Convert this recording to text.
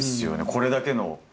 これだけの。